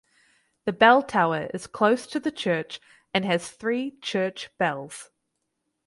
The bell tower is close to the church and has three church bells.